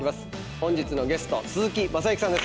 本日のゲスト鈴木雅之さんです。